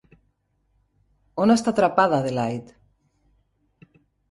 On està atrapada Adelaide?